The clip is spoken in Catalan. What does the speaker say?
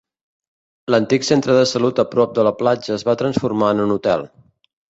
L'antic centre de salut a prop de la platja es va transformar en un hotel.